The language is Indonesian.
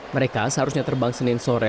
mereka seharusnya terbang senin sore